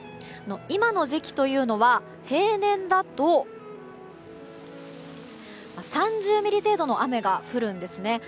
今の時期というのは平年だと、３０ミリ程度の雨が降るんですね。